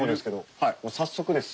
はい早速です。